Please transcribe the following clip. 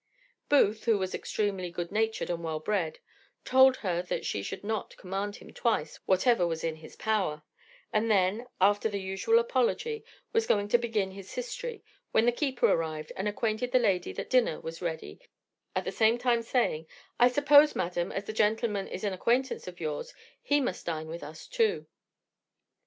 Booth, who was extremely good natured and well bred, told her that she should not command him twice whatever was in his power; and then, after the usual apology, was going to begin his history, when the keeper arrived, and acquainted the lady that dinner was ready, at the same time saying, "I suppose, madam, as the gentleman is an acquaintance of yours, he must dine with us too."